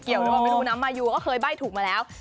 เกี่ยวกับเมนูน้ำมายูเขาเคยใบ้ถูกมาแล้ว๓๒